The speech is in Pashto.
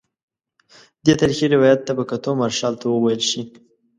دې تاریخي روایت ته په کتو مارشال ته وویل شي.